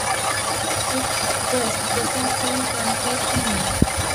It just doesn't seem complete to me.